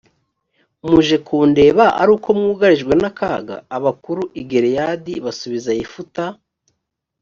muje kundeba ari uko mwugarijwe n akaga abakuru i gileyadi basubiza yefuta